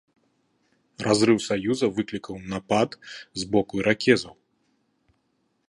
Разрыў саюза выклікаў напад з боку іракезаў.